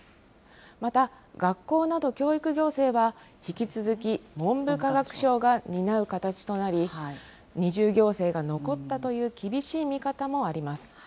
また学校など、教育行政は引き続き文部科学省が担う形となり、二重行政が残ったという厳しい見方もあります。